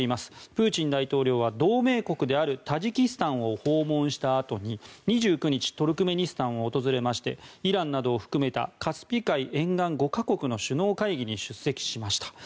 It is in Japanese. プーチン大統領は同盟国であるタジキスタンを訪問したあとに２９日トルクメニスタンを訪れましてイランなどを含めたカスピ海沿岸５か国の首脳会議に出席しました。